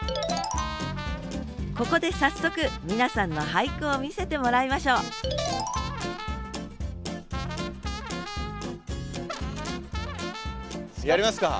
ここで早速皆さんの俳句を見せてもらいましょうやりますか！